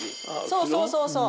そうそうそうそう！